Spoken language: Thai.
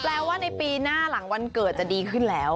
แปลว่าในปีหน้าหลังวันเกิดจะดีขึ้นแล้ว